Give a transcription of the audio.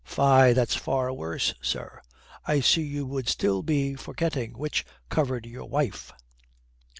"Fie, that's far worse, sir. I see you would still be forgetting which covered your wife."